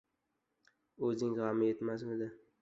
— O‘zining g‘ami yetmasmidi...